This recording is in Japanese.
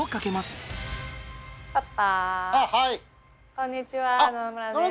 こんにちは野々村です。